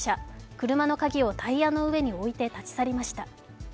車の鍵をタイヤの上に置いて、立ち去りました。